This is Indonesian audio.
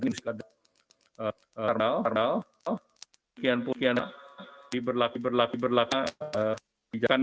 demikian pula yang diberlakukan